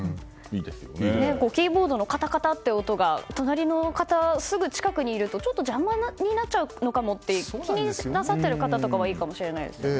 キーボードのカタカタという音もすぐ近くにいると邪魔になっちゃうのかもって気になさってる方はいるかもしれないですね。